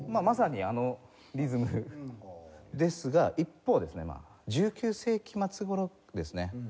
まさにあのリズムですが一方ですね１９世紀末頃ですね